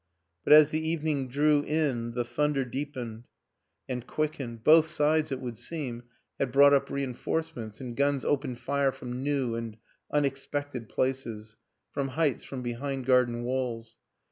But as the evening drew in the thunder deepened and 126 WILLIAM AN ENGLISHMAN quickened; both sides, it would seem, had brought up reinforcements, and guns opened fire from new and unexpected places, from heights, from behind garden walls.